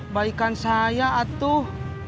baikan saya atuh